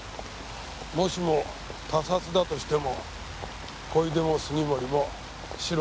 もしも他殺だとしても小出も杉森もシロだ。